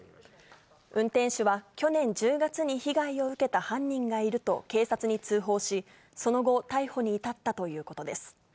運転手は、去年１０月に被害を受けた犯人がいると警察に通報し、その後、逮捕に至ったということです。